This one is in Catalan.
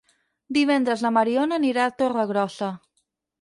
Divendres na Mariona anirà a Torregrossa.